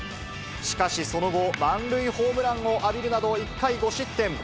しかしその後、満塁ホームランを浴びるなど、１回５失点。